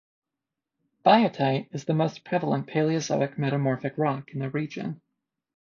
Biotite is the most prevalent Paleozoic metamorphic rock in the region.